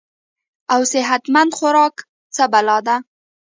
او صحت مند خوراک څۀ بلا ده -